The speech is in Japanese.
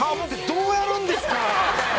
どうやるんですか！